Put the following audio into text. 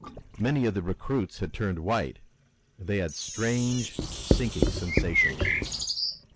Many of the recruits had turned white, and they had strange, sinking sensations.